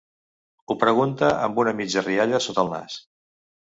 Ho pregunta amb una mitja rialla sota el nas.